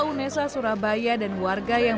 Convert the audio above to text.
unesa surabaya dan warga yang